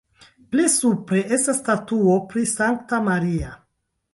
Pli supre estas statuo pri Sankta Maria.